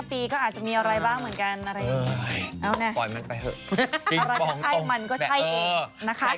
๒๕ปีก็อาจจะมีอะไรบ้างเหมือนกัน